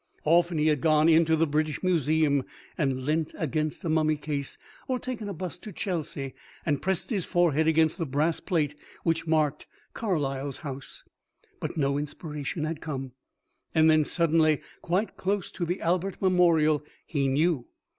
Often he had gone into the British Museum and leant against a mummy case, or taken a 'bus to Chelsea and pressed his forehead against the brass plate which marked Carlyle's house, but no inspiration had come. And then suddenly, quite close to the Albert Memorial, he knew.